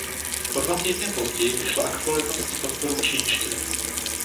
O dva týdny později vyšla aktualizace s podporou čínštiny.